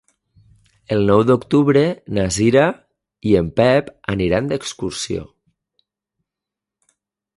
El nou d'octubre na Cira i en Pep aniran d'excursió.